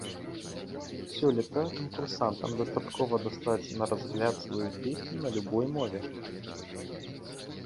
Сёлета канкурсантам дастаткова даслаць на разгляд сваю песню на любой мове.